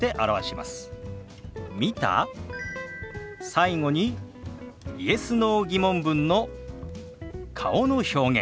最後にＹｅｓ／Ｎｏ−疑問文の顔の表現。